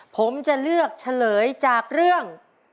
ผมจะเลือกเฉลยจากเรื่อง